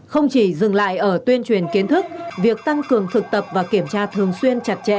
không chỉ dừng lại ở tuyên truyền kiến thức việc tăng cường thực tập và kiểm tra thường xuyên chặt chẽ